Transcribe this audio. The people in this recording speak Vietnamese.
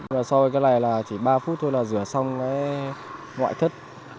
rồi sau cái này là chỉ ba phút thôi là rửa xong ngoại thất